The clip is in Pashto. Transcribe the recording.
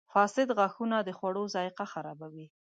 • فاسد غاښونه د خوړو ذایقه خرابوي.